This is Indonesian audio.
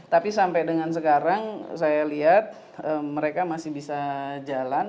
tapi sampai dengan sekarang saya lihat mereka masih bisa jalan